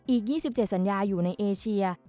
อีก๒๗สัญญาอยู่ในเอเชีย